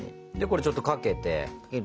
ちょっとこれかけて。